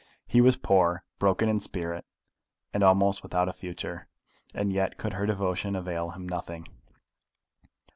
He was poor, broken in spirit, and almost without a future; and yet could her devotion avail him nothing!